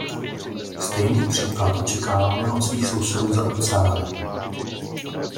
Stejný příklad očekáváme od svých sousedů za oceánem.